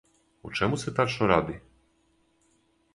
О чему се тачно ради?